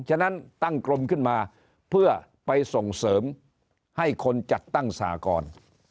ฉะนั้นตั้งกรมขึ้นมาเพื่อไปส่งเสริมให้คนจัดตั้งสากร